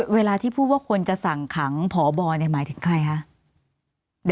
เวลาที่พูดว่าคนจะสั่งขังพบหมายถึงใครคะ